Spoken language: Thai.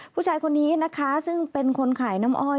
ผู้ชายคนนี้นะคะซึ่งเป็นคนขายน้ำอ้อย